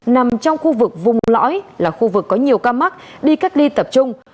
nằm trong khu vực vùng lõi là khu vực có nhiều ca mắc đi cách ly tập trung